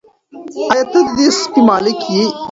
آیا ته د دې سپي مالیک یې؟